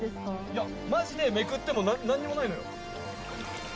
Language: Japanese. いやマジでめくっても何にもないのよ